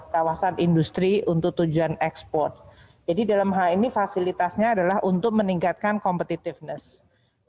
kawasan industri untuk tujuan ekspor jadi dalam hal ini fasilitasnya adalah untuk meningkatkan competitiveness